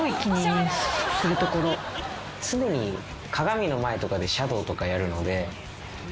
常に鏡の前とかでシャドーとかやるので。